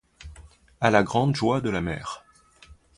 À la grande joie de la mère.